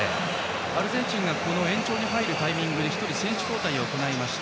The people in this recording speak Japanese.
アルゼンチンが延長に入るタイミングで１人、選手交代を行いました。